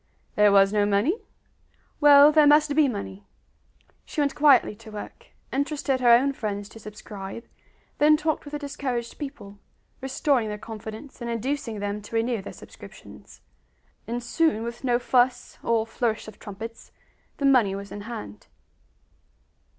There was no money? Well, there must be money! She went quietly to work, interested her own friends to subscribe, then talked with the discouraged people, restoring their confidence and inducing them to renew their subscriptions; and soon, with no fuss or flourish of trumpets, the money was in hand.